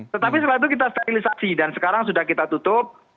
tetapi setelah itu kita sterilisasi dan sekarang sudah kita tutup